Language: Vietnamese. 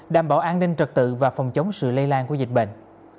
đảm bảo an ninh trật tự và phòng chống sự lây lan của dịch bệnh